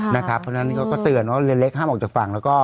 เพราะฉะนั้นก็เตือนอย่าเล่นเล็กอย่าห้ามออกจากฝั่ง